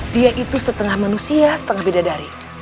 dia itu setengah manusia setengah bidadari